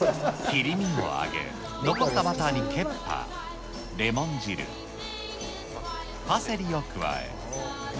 切り身を上げ、残ったバターにケッパー、レモン汁、パセリを加え。